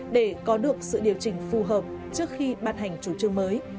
để có được sự điều chỉnh phù hợp trước khi ban hành chủ trương mới